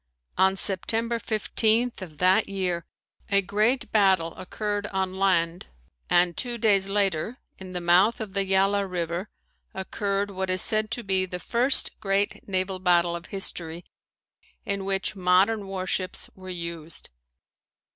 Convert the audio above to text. On September 15th of that year a great battle occurred on land and two days later, in the mouth of the Yala River occurred what is said to be the first great naval battle of history in which modern warships were used.